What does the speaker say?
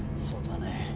そうだね。